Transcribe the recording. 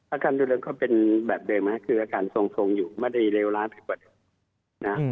อาการดูเรือนก็เป็นแบบเดิมคืออาการทรงอยู่ไม่ได้เลวร้ายไปกว่าเดิมนะ